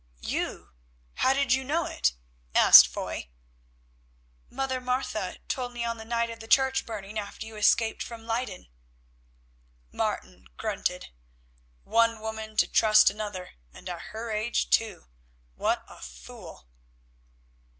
"You? How did you know it?" asked Foy. "Mother Martha told me on the night of the church burning after you escaped from Leyden." Martin grunted. "One woman to trust another, and at her age too; what a fool!"